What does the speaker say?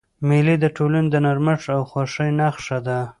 مېلې د ټولني د نرمښت او خوښۍ نخښه ده.